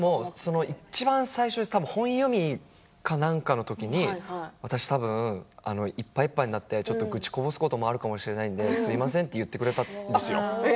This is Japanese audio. いちばん最初本読みか何かの時に私、多分いっぱいいっぱいになって愚痴をこぼすことがあるかもしれないのですみませんと言ってくれたんですよ。